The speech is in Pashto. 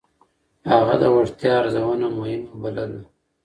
هغه د وړتيا ارزونه مهمه بلله.